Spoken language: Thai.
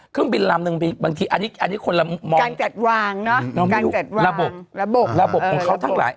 เครื่องบินลำนึงบางทีอันนี้คนลำมอง